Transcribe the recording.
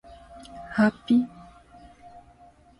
She is also a Siamese cat.